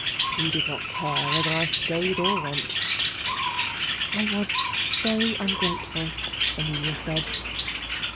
You did not care whether I stayed or went." "I was very ungrateful," Amelia said.